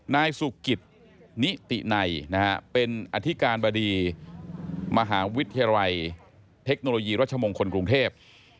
นายสุกิตนิติในเป็นอธิการบดีมหาวิทยาลัยเทคโนโลยีรัชมงคลกรุงเทพ